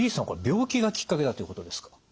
これ病気がきっかけだということですか？